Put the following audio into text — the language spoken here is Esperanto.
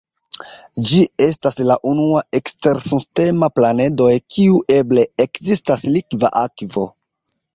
Ĝi estas la unua ekstersunsistema planedoj kiu eble ekzistas likva akvo.